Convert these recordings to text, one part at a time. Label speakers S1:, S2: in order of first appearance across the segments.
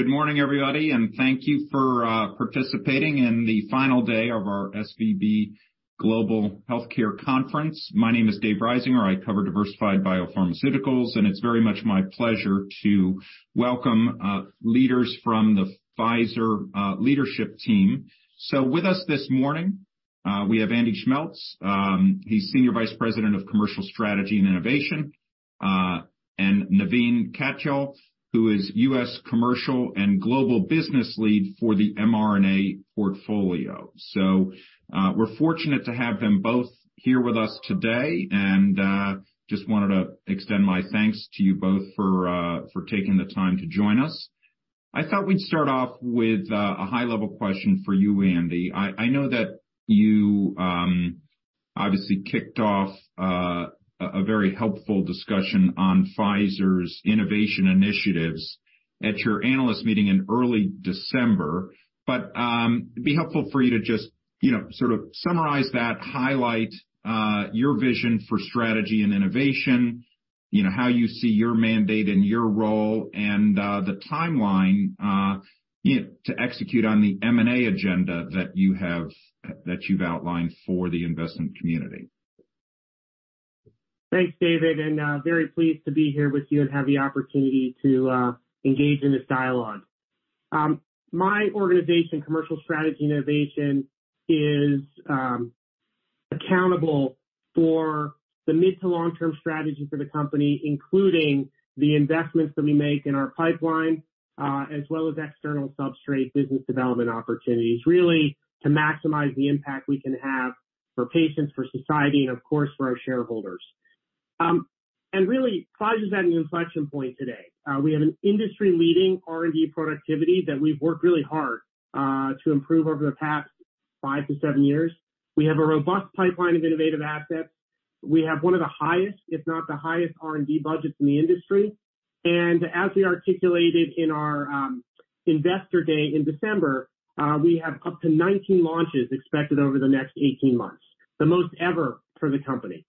S1: Good morning, everybody, and thank you for participating in the final day of our SVB Global Healthcare Conference. My name is David Risinger. I cover diversified biopharmaceuticals, and it's very much my pleasure to welcome leaders from the Pfizer leadership team. With us this morning, we have Andy Schmeltz. He's Senior Vice President, Commercial Strategy & Innovation, and Navin Katyal, who is U.S. Commercial and Global Business Lead for the mRNA portfolio. We're fortunate to have them both here with us today and just wanted to extend my thanks to you both for taking the time to join us. I thought we'd start off with a high-level question for you, Andy. I know that you obviously kicked off a very helpful discussion on Pfizer's innovation initiatives at your analyst meeting in early December. It'd be helpful for you to just, you know, sort of summarize that, highlight your vision for strategy and innovation, you know, how you see your mandate and your role and the timeline, you know, to execute on the M&A agenda that you've outlined for the investment community.
S2: Thanks, David, and very pleased to be here with you and have the opportunity to engage in this dialogue. My organization, Commercial Strategy & Innovation, is accountable for the mid to long-term strategy for the company, including the investments that we make in our pipeline, as well as external substrate business development opportunities, really to maximize the impact we can have for patients, for society, and of course, for our shareholders. Really, Pfizer's at an inflection point today. We have an industry-leading R&D productivity that we've worked really hard to improve over the past five to seven years. We have a robust pipeline of innovative assets. We have one of the highest, if not the highest R&D budgets in the industry. As we articulated in our Investor Day in December, we have up to 19 launches expected over the next 18 months, the most ever for the company.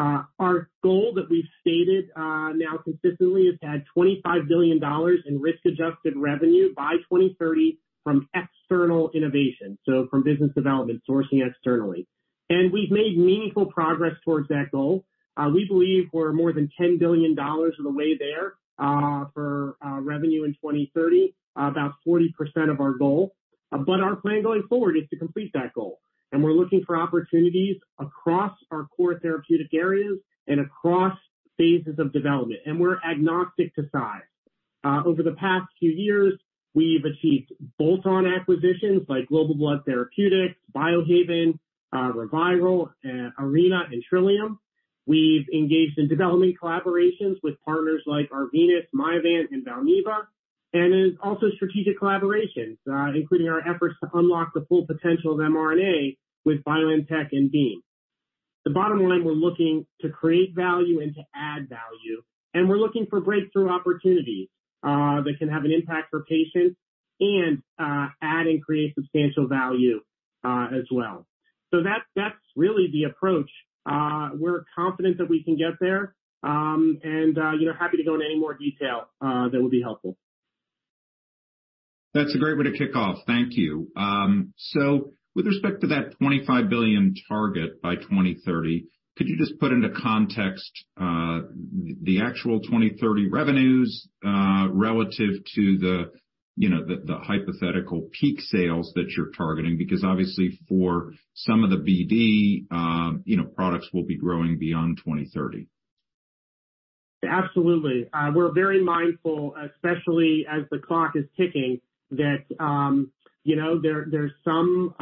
S2: Our goal that we've stated now consistently is to add $25 billion in risk-adjusted revenue by 2030 from external innovation. From business development, sourcing externally. We've made meaningful progress towards that goal. We believe we're more than $10 billion of the way there for revenue in 2030, about 40% of our goal. Our plan going forward is to complete that goal. We're looking for opportunities across our core therapeutic areas and across phases of development, and we're agnostic to size. Over the past few years, we've achieved bolt-on acquisitions like Global Blood Therapeutics, Biohaven, ReViral, Arena, and Trillium. We've engaged in development collaborations with partners like Arvinas, Myovant, and Valneva, and in also strategic collaborations, including our efforts to unlock the full potential of mRNA with BioNTech and Beam. The bottom line, we're looking to create value and to add value, and we're looking for breakthrough opportunities that can have an impact for patients and add and create substantial value as well. That's, that's really the approach. We're confident that we can get there, and, you know, happy to go in any more detail that would be helpful.
S1: That's a great way to kick off. Thank you. With respect to that $25 billion target by 2030, could you just put into context the actual 2030 revenues relative to the hypothetical peak sales that you're targeting? Because obviously for some of the BD products will be growing beyond 2030.
S2: Absolutely. We're very mindful, especially as the clock is ticking, that, you know, there's some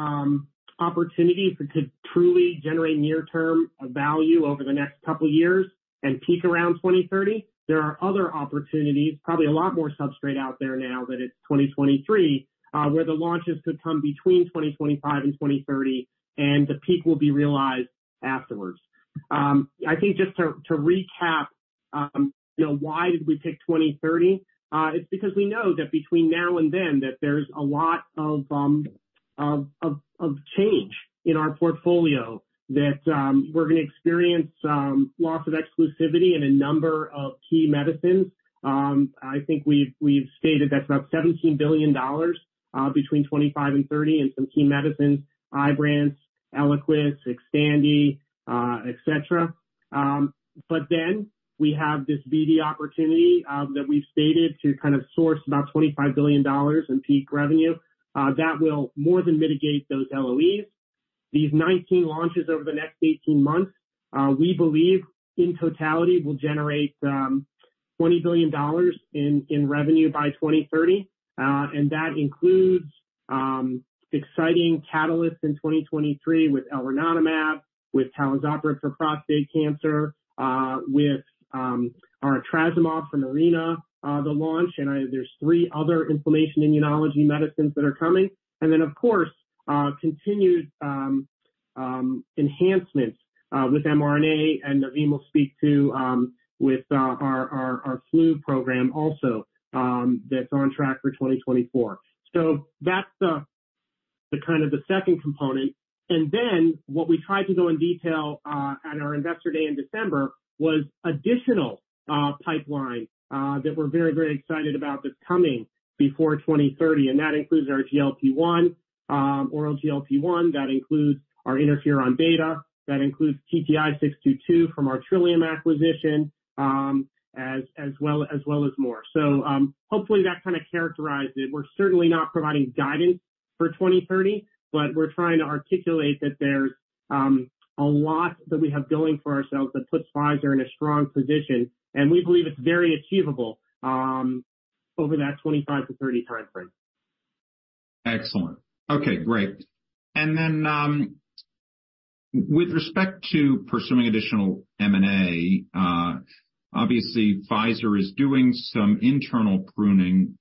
S2: opportunities to truly generate near term value over the next couple years and peak around 2030. There are other opportunities, probably a lot more substrate out there now that it's 2023, where the launches could come between 2025 and 2030 and the peak will be realized afterwards. I think just to recap, you know, why did we pick 2030? It's because we know that between now and then that there's a lot of change in our portfolio that we're gonna experience loss of exclusivity in a number of key medicines. I think we've stated that's about $17 billion between 2025 and 2030 in some key medicines, IBRANCE, ELIQUIS, XTANDI, et cetera. We have this BD opportunity that we've stated to kind of source about $25 billion in peak revenue. That will more than mitigate those LOEs. These 19 launches over the next 18 months, we believe in totality will generate $20 billion in revenue by 2030. That includes exciting catalysts in 2023 with elranatamab, with talazoparib for prostate cancer, with our etrasimod from Arena, the launch. There's three other inflammation immunology medicines that are coming. Of course, continued enhancements with mRNA, and Navin will speak to with our flu program also that's on track for 2024. That's the kind of the second component. What we tried to go in detail at our investor day in December was additional pipeline that we're very, very excited about that's coming before 2030, and that includes our GLP-1, oral GLP-1. That includes our interferon beta. That includes TTI-622 from our Trillium acquisition, as well as more. Hopefully that kind of characterized it. We're certainly not providing guidance for 2030, but we're trying to articulate that there's a lot that we have going for ourselves that puts Pfizer in a strong position, and we believe it's very achievable over that 2025-2030 timeframe.
S1: Excellent. Okay, great. With respect to pursuing additional M&A, obviously Pfizer is doing some internal pruning.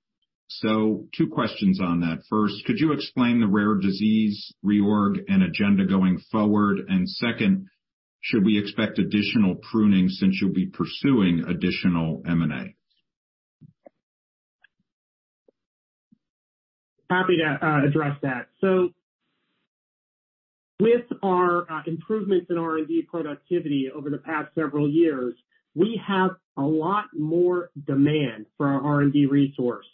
S1: Two questions on that. First, could you explain the rare disease reorg and agenda going forward? Second, should we expect additional pruning since you'll be pursuing additional M&A?
S2: Happy to address that. With our improvements in R&D productivity over the past several years, we have a lot more demand for our R&D resource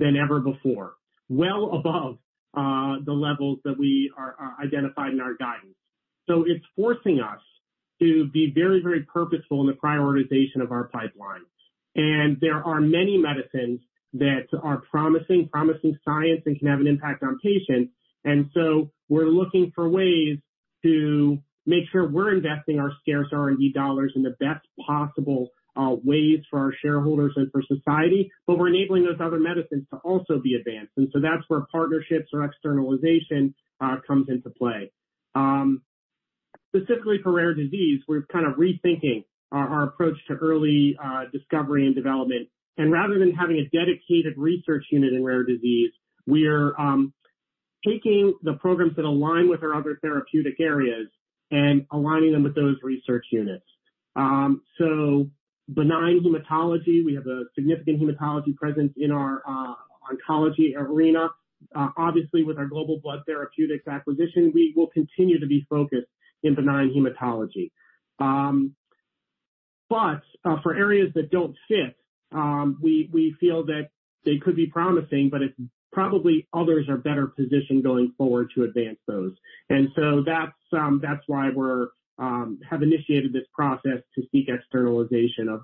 S2: than ever before. Well above the levels that we are identified in our guidance. It's forcing us to be very, very purposeful in the prioritization of our pipeline. There are many medicines that are promising science and can have an impact on patients. We're looking for ways to make sure we're investing our scarce R&D dollars in the best possible ways for our shareholders and for society, but we're enabling those other medicines to also be advanced. That's where partnerships or externalization comes into play. Specifically for rare disease, we're kind of rethinking our approach to early discovery and development. Rather than having a dedicated research unit in rare disease, we are taking the programs that align with our other therapeutic areas and aligning them with those research units. Benign hematology, we have a significant hematology presence in our oncology arena. Obviously, with our Global Blood Therapeutics acquisition, we will continue to be focused in benign hematology. For areas that don't fit, we feel that they could be promising, but it's probably others are better positioned going forward to advance those. That's why we're have initiated this process to seek externalization of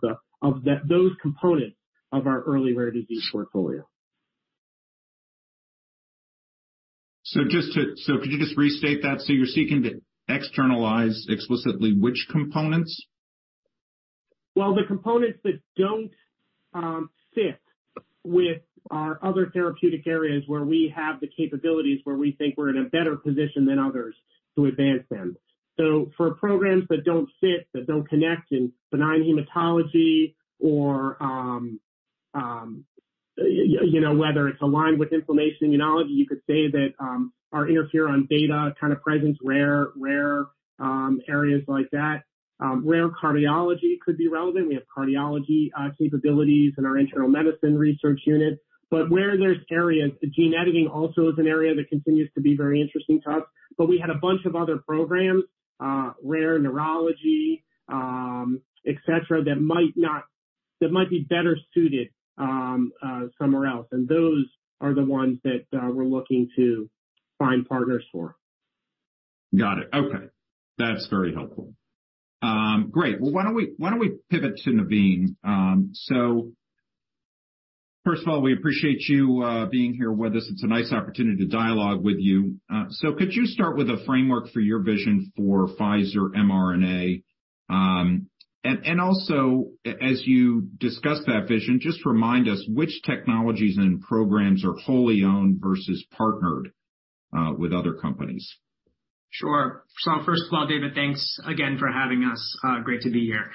S2: that, those components of our early rare disease portfolio.
S1: Could you just restate that? You're seeking to externalize explicitly which components?
S2: Well, the components that don't fit with our other therapeutic areas where we have the capabilities, where we think we're in a better position than others to advance them. For programs that don't fit, that don't connect in benign hematology or, you know, whether it's aligned with inflammation immunology, you could say that our Interferon beta kind of presence, rare areas like that. Rare cardiology could be relevant. We have cardiology capabilities in our internal medicine research unit. Where there's areas, gene editing also is an area that continues to be very interesting to us. We had a bunch of other programs, rare neurology, et cetera, that might not, that might be better suited somewhere else, and those are the ones that we're looking to find partners for.
S1: Got it. Okay. That's very helpful. Great. Well, why don't we pivot to Navin? First of all, we appreciate you being here with us. It's a nice opportunity to dialogue with you. Could you start with a framework for your vision for Pfizer mRNA? Also as you discuss that vision, just remind us which technologies and programs are wholly owned versus partnered with other companies.
S3: Sure. First of all, David, thanks again for having us. Great to be here.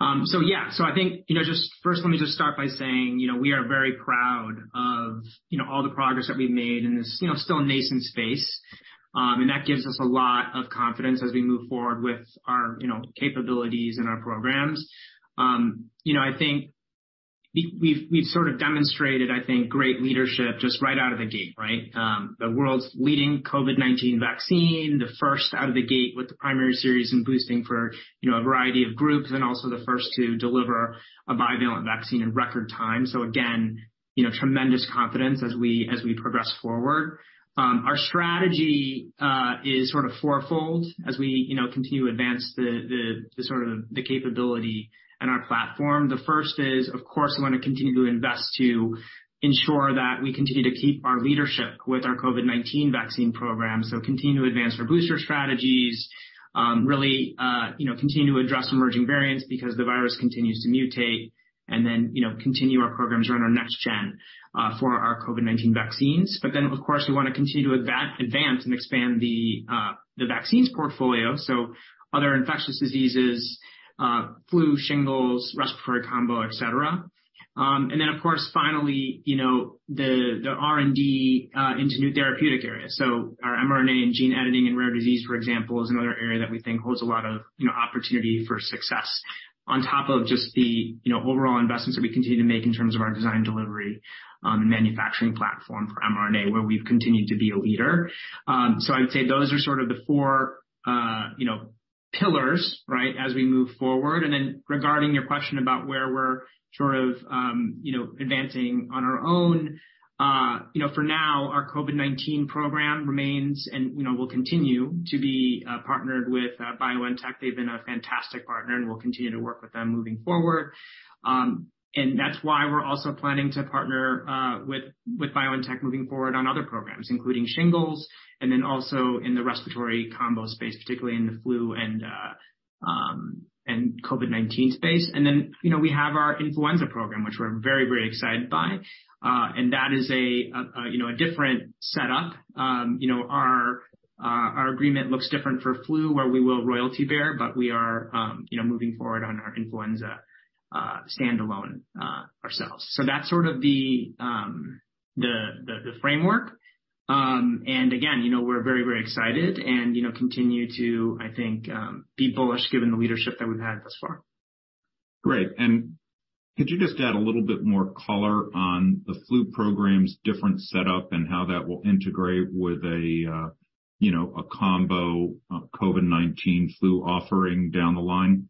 S3: I think, you know, just first let me just start by saying, you know, we are very proud of, you know, all the progress that we've made in this, you know, still nascent space. That gives us a lot of confidence as we move forward with our, you know, capabilities and our programs. You know, I think we've sort of demonstrated, I think, great leadership just right out of the gate, right? The world's leading COVID-19 vaccine, the first out of the gate with the primary series and boosting for, you know, a variety of groups and also the first to deliver a bivalent vaccine in record time. Again, you know, tremendous confidence as we, as we progress forward. Our strategy is sort of fourfold as we, you know, continue to advance the sort of the capability and our platform. The first is, of course, we wanna continue to invest to ensure that we continue to keep our leadership with our COVID-19 vaccine program. Continue to advance our booster strategies, really, you know, continue to address emerging variants because the virus continues to mutate and then, you know, continue our programs around our next gen for our COVID-19 vaccines. Of course, we wanna continue to advance and expand the vaccines portfolio, so other infectious diseases, flu, shingles, respiratory combo, et cetera. Of course, finally, you know, the R&D into new therapeutic areas. Our mRNA and gene editing in rare disease, for example, is another area that we think holds a lot of, you know, opportunity for success on top of just the, you know, overall investments that we continue to make in terms of our design delivery and manufacturing platform for mRNA, where we've continued to be a leader. I'd say those are sort of the four Pillars, right, as we move forward. Regarding your question about where we're sort of, you know, advancing on our own, you know, for now, our COVID-19 program remains and, you know, will continue to be partnered with BioNTech. They've been a fantastic partner, and we'll continue to work with them moving forward. That's why we're also planning to partner with BioNTech moving forward on other programs, including shingles and then also in the respiratory combo space, particularly in the flu and COVID-19 space. Then, you know, we have our influenza program, which we're very, very excited by. That is a, you know, a different setup. You know, our agreement looks different for flu, where we will royalty bear, but we are, you know, moving forward on our influenza standalone ourselves. That's sort of the framework. Again, you know, we're very, very excited and, you know, continue to, I think, be bullish given the leadership that we've had thus far.
S1: Great. Could you just add a little bit more color on the flu program's different setup and how that will integrate with a, you know, a combo, COVID-19 flu offering down the line?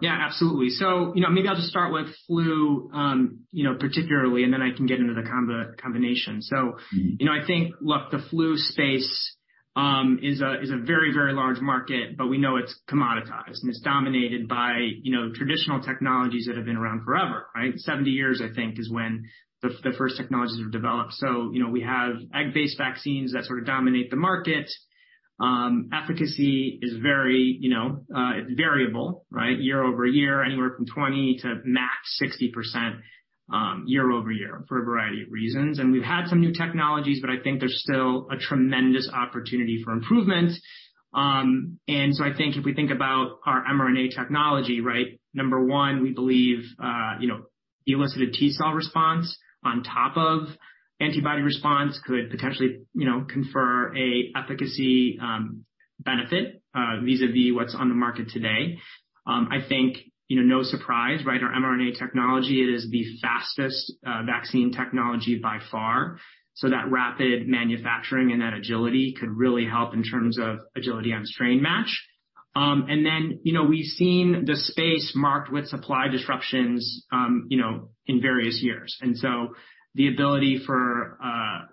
S3: Yeah, absolutely. You know, maybe I'll just start with flu, you know, particularly, and then I can get into the combination. You know, I think, look, the flu space is a very, very large market, but we know it's commoditized, and it's dominated by, you know, traditional technologies that have been around forever, right? 70 years, I think, is when the first technologies were developed. You know, we have egg-based vaccines that sort of dominate the market. Efficacy is very, you know, it's variable, right? Year-over-year, anywhere from 20% to max 60%, year-over-year for a variety of reasons. We've had some new technologies, but I think there's still a tremendous opportunity for improvement. I think if we think about our mRNA technology, right? Number one, we believe, you know, elicited T-cell response on top of antibody response could potentially, you know, confer a efficacy benefit vis-à-vis what's on the market today. I think, you know, no surprise, right? Our mRNA technology, it is the fastest vaccine technology by far, so that rapid manufacturing and that agility could really help in terms of agility on strain match. Then, you know, we've seen the space marked with supply disruptions, you know, in various years. The ability for,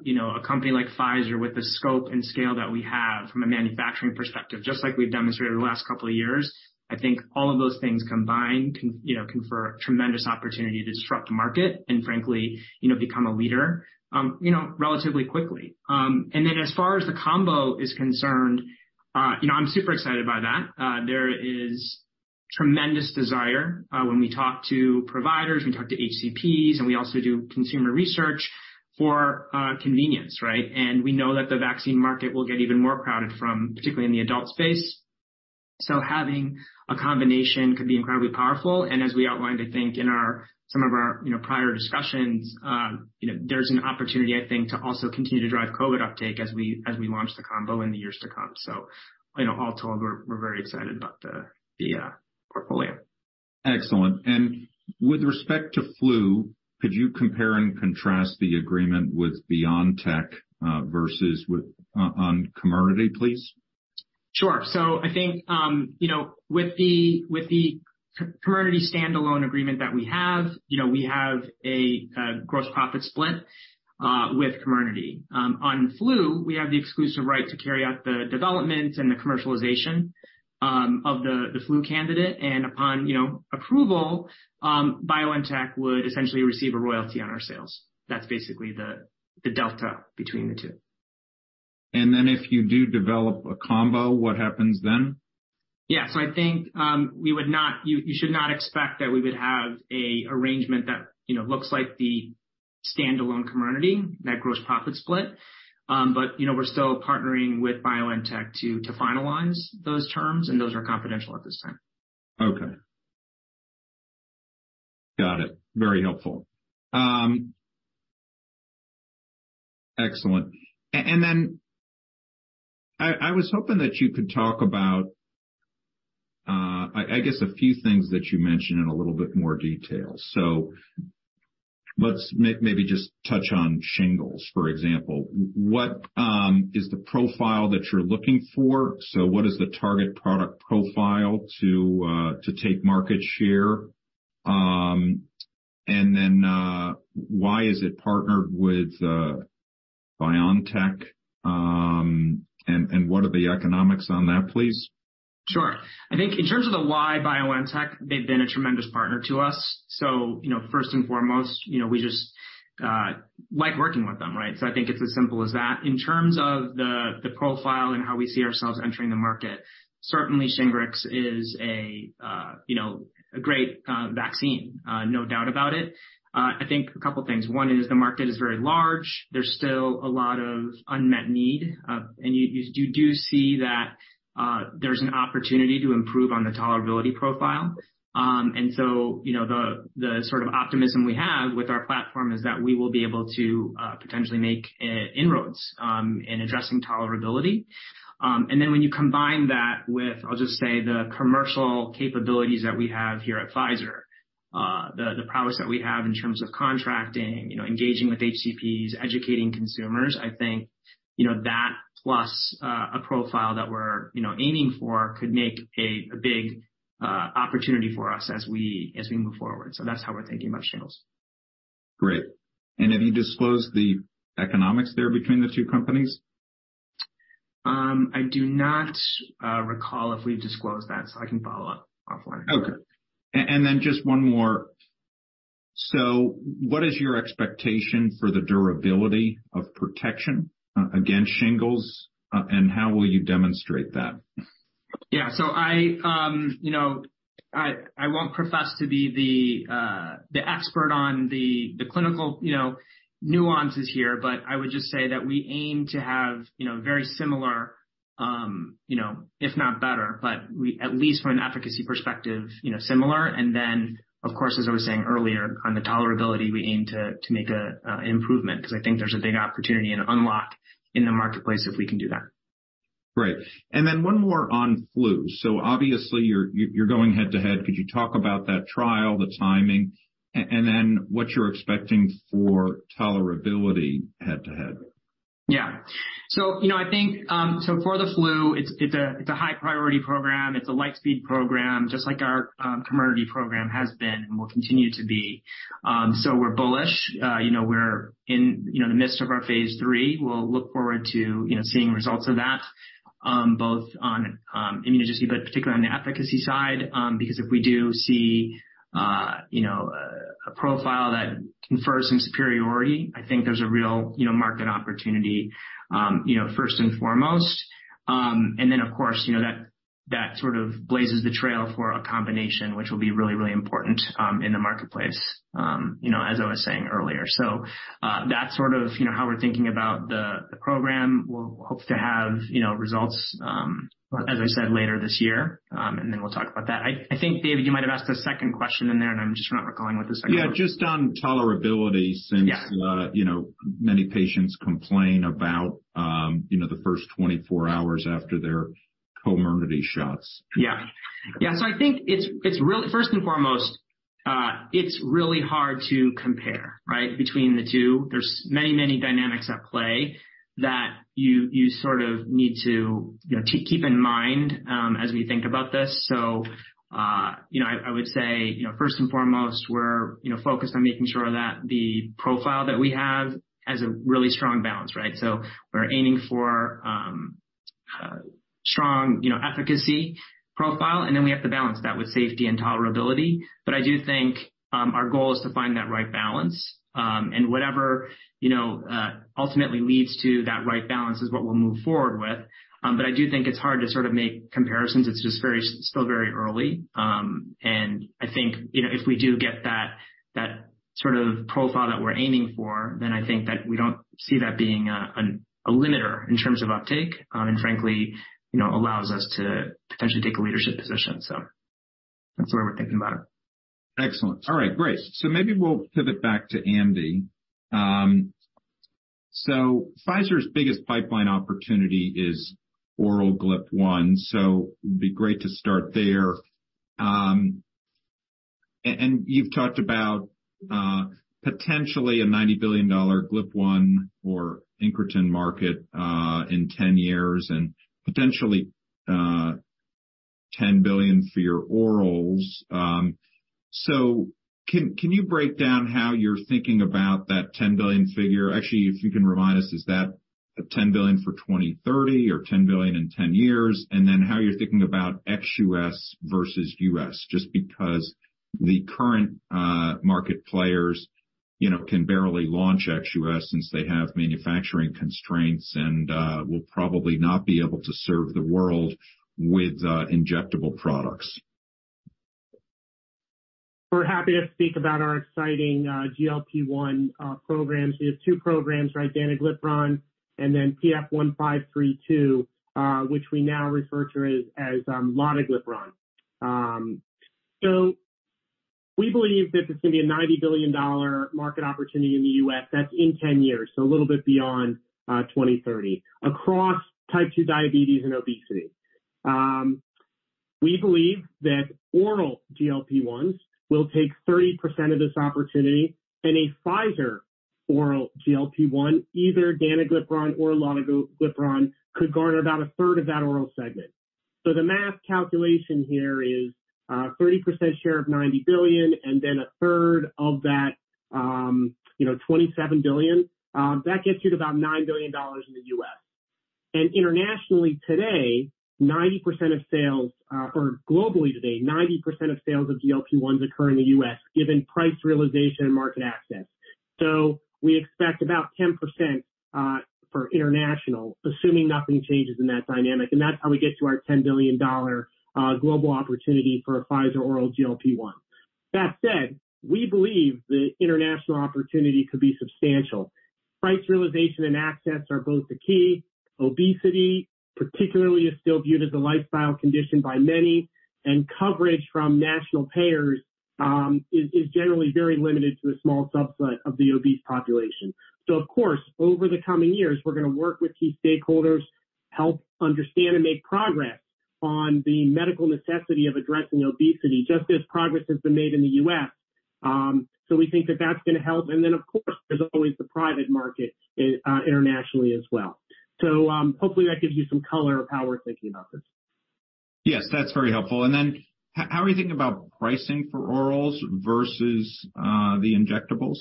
S3: you know, a company like Pfizer with the scope and scale that we have from a manufacturing perspective, just like we've demonstrated over the last couple of years, I think all of those things combined can, you know, confer a tremendous opportunity to disrupt the market and frankly, you know, become a leader, you know, relatively quickly. As far as the combo is concerned, you know, I'm super excited by that. There is tremendous desire, when we talk to providers, we talk to HCPs, and we also do consumer research for convenience, right? We know that the vaccine market will get even more crowded from, particularly in the adult space. Having a combination could be incredibly powerful. As we outlined, I think, in our, some of our, you know, prior discussions, you know, there's an opportunity, I think, to also continue to drive COVID uptake as we launch the combo in the years to come. You know, all told, we're very excited about the portfolio.
S1: Excellent. With respect to flu, could you compare and contrast the agreement with BioNTech, versus with, on Comirnaty, please?
S3: Sure. I think, you know, with the, with the Comirnaty standalone agreement that we have, you know, we have a gross profit split with Comirnaty. On flu, we have the exclusive right to carry out the development and the commercialization of the flu candidate. Upon, you know, approval, BioNTech would essentially receive a royalty on our sales. That's basically the delta between the two.
S1: If you do develop a combo, what happens then?
S3: Yeah. I think, you should not expect that we would have a arrangement that, you know, looks like the standalone Comirnaty, that gross profit split. You know, we're still partnering with BioNTech to finalize those terms, and those are confidential at this time.
S1: Okay. Got it. Very helpful. Excellent. And then I was hoping that you could talk about, I guess, a few things that you mentioned in a little bit more detail. Let's just touch on shingles, for example. What is the profile that you're looking for? What is the target product profile to take market share? And then why is it partnered with BioNTech? And what are the economics on that, please?
S3: Sure. I think in terms of the why BioNTech, they've been a tremendous partner to us. You know, first and foremost, you know, we just like working with them, right? I think it's as simple as that. In terms of the profile and how we see ourselves entering the market, certainly Shingrix is a, you know, a great vaccine, no doubt about it. I think a couple of things. One is the market is very large. There's still a lot of unmet need. You do see that there's an opportunity to improve on the tolerability profile. You know, the sort of optimism we have with our platform is that we will be able to potentially make inroads in addressing tolerability. When you combine that with, I'll just say, the commercial capabilities that we have here at Pfizer, the promise that we have in terms of contracting, you know, engaging with HCPs, educating consumers, I think, you know, that plus, a profile that we're, you know, aiming for could make a big opportunity for us as we, as we move forward. That's how we're thinking about shingles.
S1: Great. Have you disclosed the economics there between the two companies?
S3: I do not recall if we've disclosed that, so I can follow up offline.
S1: Okay. Just one more. What is your expectation for the durability of protection against shingles? How will you demonstrate that?
S3: Yeah. I, you know, I won't profess to be the expert on the clinical, you know, nuances here, but I would just say that we aim to have, you know, very similar, you know, if not better, but we at least from an efficacy perspective, you know, similar. Of course, as I was saying earlier, on the tolerability, we aim to make a improvement because I think there's a big opportunity and unlock in the marketplace if we can do that.
S1: Great. Then one more on flu. Obviously you're going head-to-head. Could you talk about that trial, the timing, and then what you're expecting for tolerability head-to-head?
S3: You know, I think, for the flu, it's a high priority program. It's a Lightspeed program, just like our Comirnaty program has been and will continue to be. We're bullish. You know, we're in, you know, the midst of our phase III. We'll look forward to, you know, seeing results of that, both on immunogenicity, particularly on the efficacy side. If we do see, you know, a profile that confers some superiority, I think there's a real, you know, market opportunity, you know, first and foremost. Of course, you know, that sort of blazes the trail for a combination, which will be really, really important in the marketplace, you know, as I was saying earlier. That's sort of, you know, how we're thinking about the program. We'll hope to have, you know, results, as I said later this year. Then we'll talk about that. I think, David, you might have asked a second question in there, and I'm just not recalling what the second question was.
S1: Yeah, just on tolerability.
S3: Yeah.
S1: you know, many patients complain about, you know, the first 24 hours after their Comirnaty shots.
S3: Yeah. Yeah. I think it's first and foremost, it's really hard to compare, right, between the two. There's many, many dynamics at play that you sort of need to, you know, keep in mind as we think about this. You know, I would say, you know, first and foremost, we're, you know, focused on making sure that the profile that we have has a really strong balance, right? We're aiming for a strong, you know, efficacy profile, and then we have to balance that with safety and tolerability. I do think our goal is to find that right balance. Whatever, you know, ultimately leads to that right balance is what we'll move forward with. I do think it's hard to sort of make comparisons. It's just still very early. I think, you know, if we do get that sort of profile that we're aiming for, then I think that we don't see that being a limiter in terms of uptake, and frankly, you know, allows us to potentially take a leadership position. That's the way we're thinking about it.
S1: Excellent. All right. Great. Maybe we'll pivot back to Andy. Pfizer's biggest pipeline opportunity is oral GLP-1, it'd be great to start there. And you've talked about potentially a $90 billion GLP-1 or incretin market in 10 years and potentially $10 billion for your orals. Can you break down how you're thinking about that $10 billion figure? Actually, if you can remind us, is that $10 billion for 2030 or $10 billion in 10 years? Then how you're thinking about ex-US versus US, just because the current market players, you know, can barely launch ex-US since they have manufacturing constraints and will probably not be able to serve the world with injectable products.
S2: We're happy to speak about our exciting GLP-1 programs. We have two programs, right, danuglipron and then PF-1532, which we now refer to as lotiglipron. We believe that it's gonna be a $90 billion market opportunity in the US. That's in 10 years, so a little bit beyond 2030, across Type 2 diabetes and obesity. We believe that oral GLP-1s will take 30% of this opportunity, and a Pfizer oral GLP-1, either danuglipron or lotiglipron, could garner about a third of that oral segment. The math calculation here is 30% share of $90 billion and then a third of that, you know, $27 billion. That gets you to about $9 billion in the US. Globally today, 90% of sales of GLP-1s occur in the US, given price realization and market access. We expect about 10% for international, assuming nothing changes in that dynamic. That's how we get to our $10 billion global opportunity for a Pfizer oral GLP-1. That said, we believe the international opportunity could be substantial. Price realization and access are both the key. Obesity particularly is still viewed as a lifestyle condition by many, and coverage from national payers is generally very limited to a small subset of the obese population. Of course, over the coming years, we're gonna work with key stakeholdersHelp understand and make progress on the medical necessity of addressing obesity, just as progress has been made in the US. We think that that's gonna help. Of course, there's always the private market, internationally as well. Hopefully that gives you some color of how we're thinking about this.
S1: Yes, that's very helpful. Then how are you thinking about pricing for orals versus the injectables?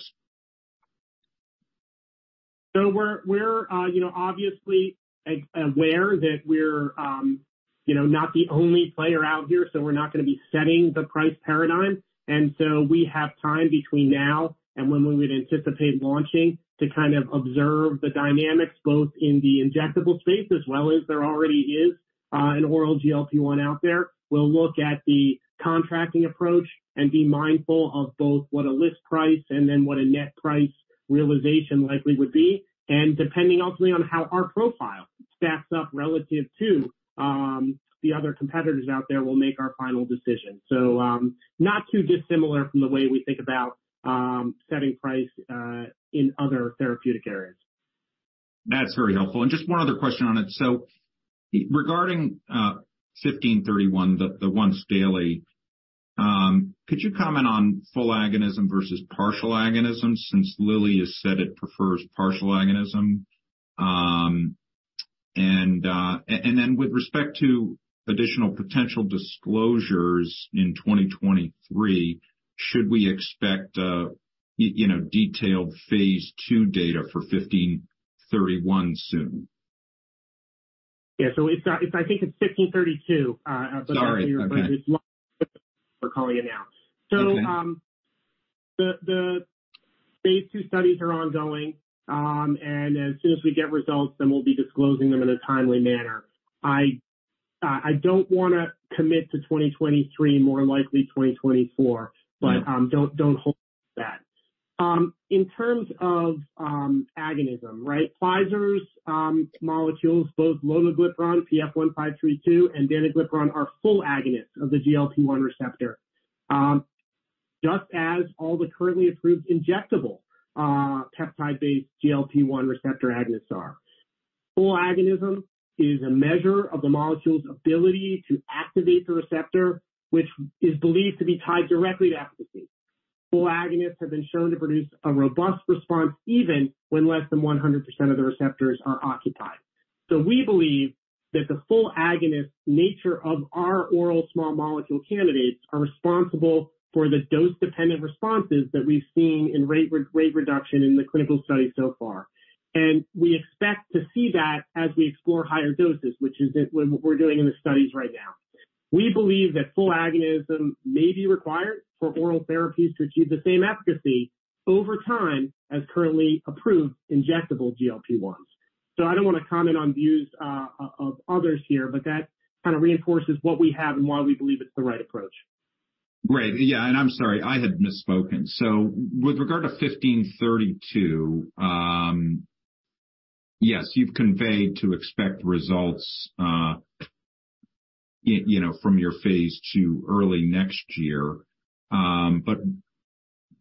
S2: We're, you know, obviously aware that we're, you know, not the only player out here, so we're not gonna be setting the price paradigm. We have time between now and when we would anticipate launching to kind of observe the dynamics both in the injectable space as well as there already is an oral GLP-1 out there. We'll look at the contracting approach and be mindful of both what a list price and then what a net price realization likely would be. Depending ultimately on how our profile stacks up relative to the other competitors out there, we'll make our final decision. Not too dissimilar from the way we think about setting price in other therapeutic areas.
S1: That's very helpful. Just one other question on it. Regarding 1531, the once daily, could you comment on full agonism versus partial agonism since Lilly has said it prefers partial agonism? Then with respect to additional potential disclosures in 2023, should we expect, you know, detailed phase II data for 1531 soon?
S2: Yeah. It's I think it's 1532.
S1: Sorry. Okay.
S2: We're calling it now.
S1: Okay.
S2: The phase II studies are ongoing. As soon as we get results, then we'll be disclosing them in a timely manner. I don't wanna commit to 2023, more likely 2024.
S1: Mm-hmm.
S2: Don't hold that. In terms of agonism, right? Pfizer's molecules, both lotiglipron, PF-07081532, and danuglipron are full agonists of the GLP-1 receptor. Just as all the currently approved injectable, peptide-based GLP-1 receptor agonists are. Full agonism is a measure of the molecule's ability to activate the receptor, which is believed to be tied directly to efficacy. Full agonists have been shown to produce a robust response even when less than 100% of the receptors are occupied. We believe that the full agonist nature of our oral small molecule candidates are responsible for the dose-dependent responses that we've seen in weight reduction in the clinical studies so far. We expect to see that as we explore higher doses, which is what we're doing in the studies right now. We believe that full agonism may be required for oral therapies to achieve the same efficacy over time as currently approved injectable GLP-1s. I don't wanna comment on views of others here, but that kind of reinforces what we have and why we believe it's the right approach.
S1: Yeah. I'm sorry, I had misspoken. With regard to PF-1532, yes, you've conveyed to expect results, you know, from your phase II early next year.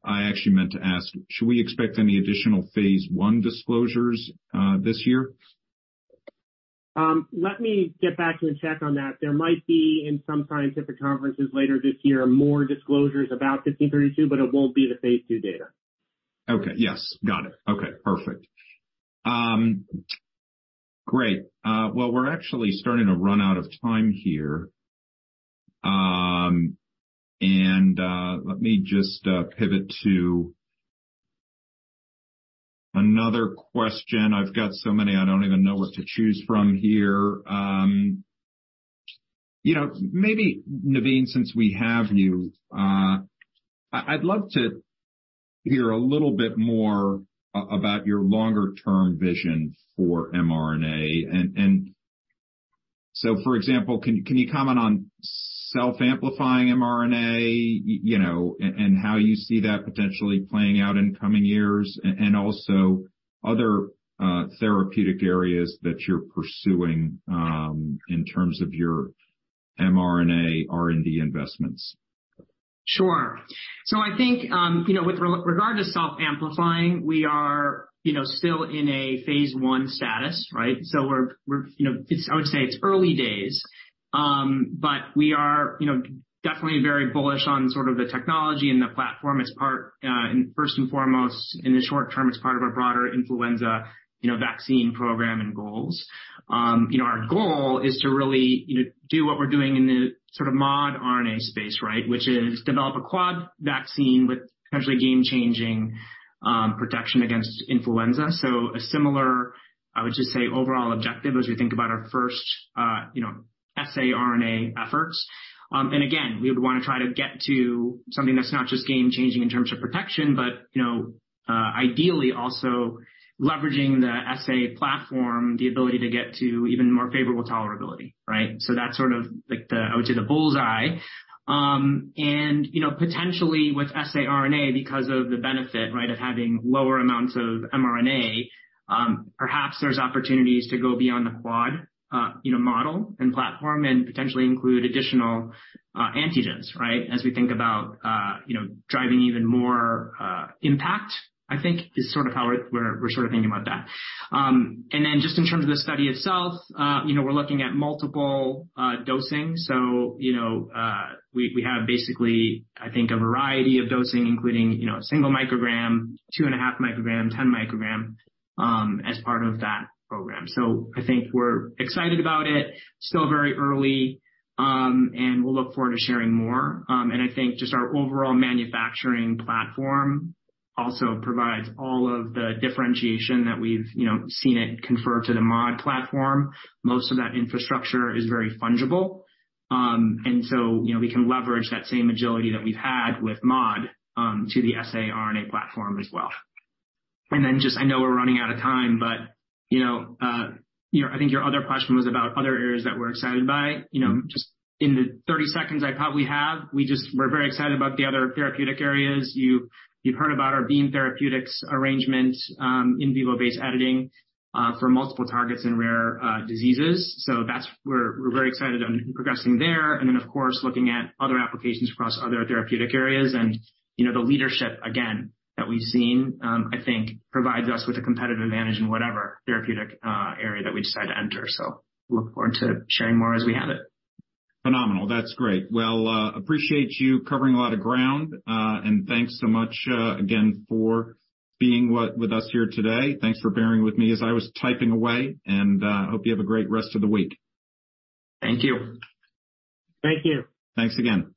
S1: I actually meant to ask, should we expect any additional phase I disclosures, this year?
S2: Let me get back and check on that. There might be in some scientific conferences later this year, more disclosures about 1532. It won't be the phase II data.
S1: Okay. Yes. Got it. Okay. Perfect. Great. Well, we're actually starting to run out of time here. Let me just pivot to another question. I've got so many I don't even know what to choose from here. You know, maybe Navin, since we have you, I'd love to hear a little bit more about your longer term vision for mRNA. For example, can you comment on self-amplifying mRNA, you know, and how you see that potentially playing out in coming years and also other therapeutic areas that you're pursuing, in terms of your mRNA R&D investments?
S3: Sure. I think, you know, with regard to self-amplifying, we are, you know, still in a phase I status, right. We're, you know, I would say it's early days. We are, you know, definitely very bullish on sort of the technology and the platform as part, first and foremost, in the short term, as part of our broader influenza, you know, vaccine program and goals. Our goal is to really, you know, do what we're doing in the sort of modRNA space, right. Which is develop a quad vaccine with potentially game-changing, protection against influenza. A similar, I would just say, overall objective as we think about our first, you know, saRNA efforts. Again, we would wanna try to get to something that's not just game changing in terms of protection, but, you know, ideally also leveraging the SA platform, the ability to get to even more favorable tolerability, right? That's sort of like the, I would say, the bull's eye. You know, potentially with saRNA because of the benefit, right, of having lower amounts of mRNA, perhaps there's opportunities to go beyond the quad, you know, model and platform and potentially include additional, antigens, right? As we think about, you know, driving even more, impact, I think is sort of how we're sort of thinking about that. Then just in terms of the study itself, you know, we're looking at multiple, dosing. You know, we have basically, I think, a variety of dosing, including, you know, 1 mcg, 2.5 mcg, 10 mcg, as part of that program. I think we're excited about it, still very early, and we'll look forward to sharing more. I think just our overall manufacturing platform also provides all of the differentiation that we've, you know, seen it confer to the mod platform. Most of that infrastructure is very fungible. You know, we can leverage that same agility that we've had with mod to the saRNA platform as well. Just I know we're running out of time, but, you know, I think your other question was about other areas that we're excited by. You know, just in the 30 seconds I probably have, we're very excited about the other therapeutic areas. You've heard about our Beam Therapeutics arrangement, in vivo-based editing, for multiple targets in rare diseases. That's where we're very excited on progressing there. Of course, looking at other applications across other therapeutic areas. You know, the leadership again, that we've seen, I think provides us with a competitive advantage in whatever therapeutic area that we decide to enter. Look forward to sharing more as we have it.
S1: Phenomenal. That's great. Well, appreciate you covering a lot of ground. Thanks so much again for being with us here today. Thanks for bearing with me as I was typing away. Hope you have a great rest of the week.
S3: Thank you.
S2: Thank you.
S1: Thanks again.